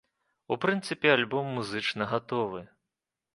У прынцыпе альбом музычна гатовы.